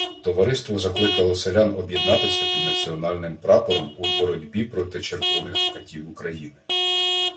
Товариство закликало селян об'єднатися під національним прапором у боротьбі проти червоних катів України.